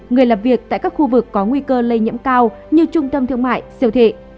người làm việc tại các khu vực có nguy cơ lây nhiễm cao như trung tâm thương mại siêu thị